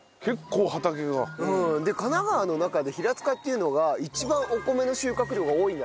神奈川の中で平塚っていうのが一番お米の収穫量が多いんだって。